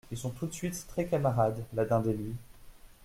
Ils sont tout de suite très camarades, la Dinde et lui.